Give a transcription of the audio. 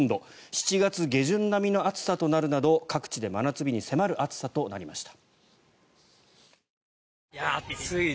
７月下旬並みの暑さとなるなど各地で真夏日に迫る暑さとなりました。